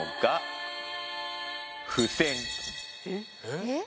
えっ？